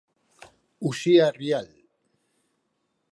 Uxía Rial.